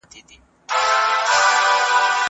په خپلو پرېکړو کي عادل اوسئ.